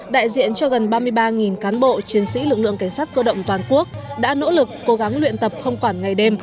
đại diện cho gần ba mươi ba cán bộ chiến sĩ lực lượng cảnh sát cơ động toàn quốc đã nỗ lực cố gắng luyện tập không quản ngày đêm